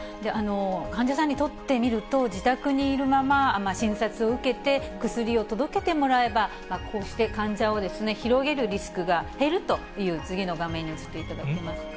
患者さんにとってみると、自宅にいるまま診察を受けて、薬を届けてもらえば、こうして患者を広げるリスクが減るという、次の画面に移っていただけますか？